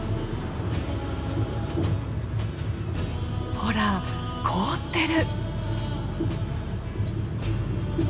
ほら凍ってる。